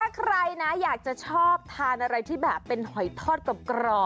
ถ้าใครนะอยากจะชอบทานอะไรที่แบบเป็นหอยทอดกรอบ